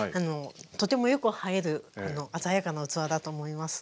とてもよく映える鮮やかな器だと思います。